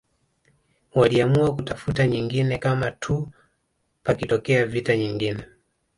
Waliamua kutafuta nyingine kama tuu pakitokea vita nyingine